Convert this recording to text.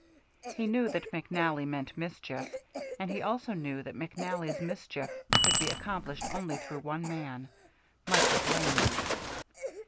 He knew that McNally meant mischief, and he also knew that McNally's mischief could be accomplished only through one man, Michael Blaney.